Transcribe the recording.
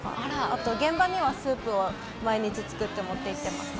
あと現場にはスープを毎日作って持っていってます。